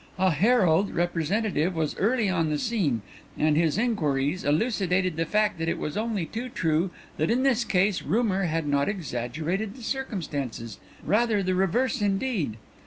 "'A Herald representative was early on the scene, and his inquiries elucidated the fact that it was only too true that in this case rumour had not exaggerated the circumstances, rather the reverse indeed.